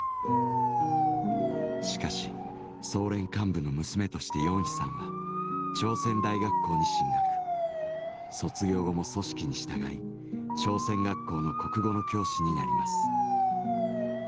しかし総連幹部の娘としてヨンヒさんは朝鮮大学校に進学卒業後も組織に従い朝鮮学校の国語の教師になります。